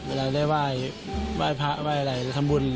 เวลาได้ไหว้พระไหว้อะไรทำบุญ